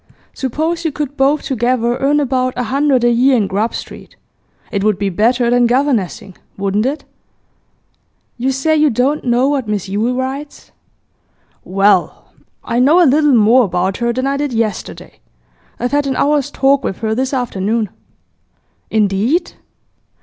Suppose you could both together earn about a hundred a year in Grub Street, it would be better than governessing; wouldn't it?' 'You say you don't know what Miss Yule writes?' 'Well, I know a little more about her than I did yesterday. I've had an hour's talk with her this afternoon.' 'Indeed?